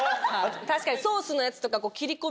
確かにソースのやつとか。